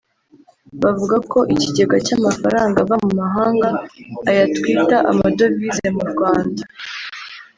bavuga ko ikigega cy'amafaranga ava mu mahanga(aya twita amadovize mu Rwanda)